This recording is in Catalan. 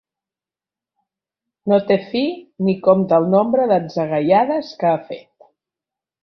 No té fi ni compte el nombre d'atzagaiades que ha fet.